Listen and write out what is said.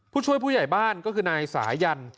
ผู้ช่วยผู้ใหญ่บ้านก็คือนายสายัน